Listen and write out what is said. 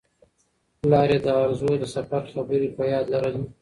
پلار یې د ارزو د سفر خبرې په یاد لرلې.